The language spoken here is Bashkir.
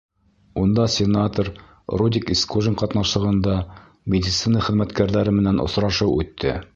Унда сенатор Рудик Исҡужин ҡатнашлығында медицина хеҙмәткәрҙәре менән осрашыу үтте.